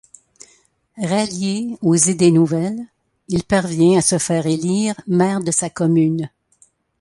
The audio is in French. Rallié aux idées nouvelles, il parvient à se faire élire maire de sa commune.